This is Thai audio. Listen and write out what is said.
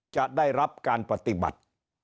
จะได้รับการปฏิบัติ